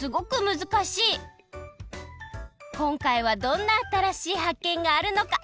こんかいはどんなあたらしいはっけんがあるのか楽しみ！